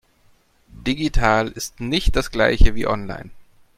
Digital ist nicht das Gleiche wie online.